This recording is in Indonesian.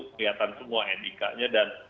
kelihatan semua nik nya dan